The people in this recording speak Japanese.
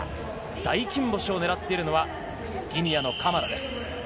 大金星を狙ってるのはギニアのカマラです。